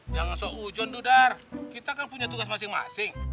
jangan seujon dudar kita kan punya tugas masing masing